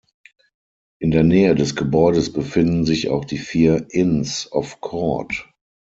In der Nähe des Gebäudes befinden sich auch die vier Inns of Court.